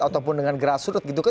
ataupun dengan grassroots gitu kan